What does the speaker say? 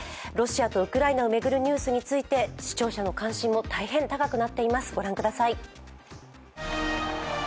ロシアとウクライナを巡るニュースについて視聴者の関心も大変高くなっています。